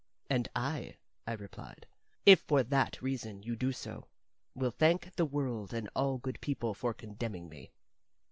"And I," I replied, "if for that reason you do so, will thank the world and all good people for condemning me."